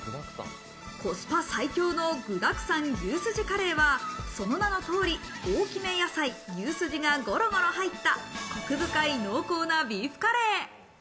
コスパ最強の具だくさん牛すじカレーは、その名の通り、大きめ野菜、牛すじがゴロゴロ入ったコク深い濃厚なビーフカレー。